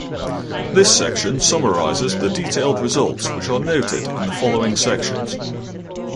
This section summarises the detailed results which are noted in the following sections.